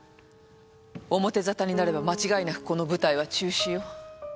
表ざたになれば間違いなくこの舞台は中止よ。